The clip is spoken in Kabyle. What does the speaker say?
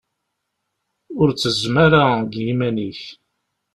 Ur ttezzem ara deg yiman-ik!